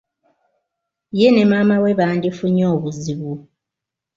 Ye ne maama we bandifunye obuzibu.